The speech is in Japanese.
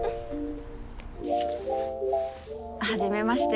はじめまして。